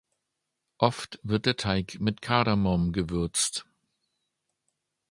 Oft wird der Teig mit Kardamom gewürzt.